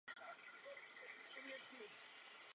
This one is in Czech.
Později bylo nominováno na čtyři ceny Grammy.